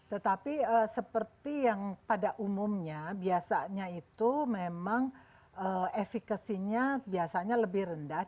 tetapi seperti yang pada umumnya biasanya itu memang efekasinya biasanya lebih rendah